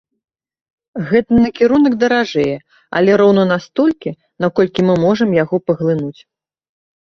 Гэты накірунак даражэе, але роўна настолькі, наколькі мы можам яго паглынуць.